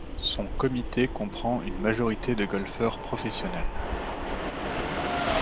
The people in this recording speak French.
Son comité comprend une majorité de golfeurs professionnels.